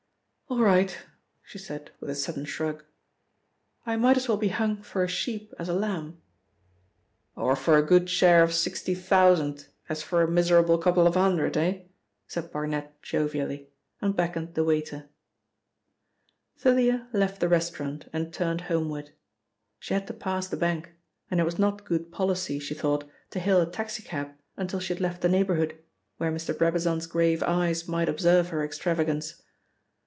"All right," she said with a sudden shrug, "I might as well be hung for a sheep as a lamb." "Or for a good share of sixty thousand as for a miserable couple of hundred, eh?" said Barnet jovially, and beckoned the waiter. Thalia left the restaurant and turned homeward. She had to pass the bank, and it was not good policy, she thought, to hail a taxicab until she had left the neighbourhood, where Mr. Brabazon's grave eyes might observe her extravagance.